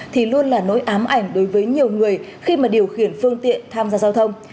thì luôn là nỗi ám ảnh đối với nhiều người khi mà điều khiển phương tiện tham gia giao thông